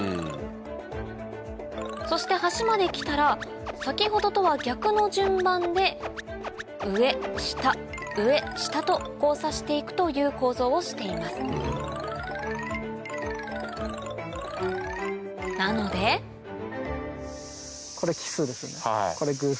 そして端まで来たら先ほどとは逆の順番で上下上下と交差して行くという構造をしていますなのでこれ奇数ですこれ偶数。